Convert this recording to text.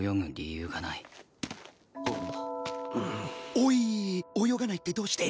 おい泳がないってどうして？